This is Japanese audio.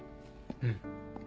うん。